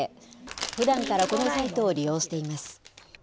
ふだんからこのサイトを利用しています。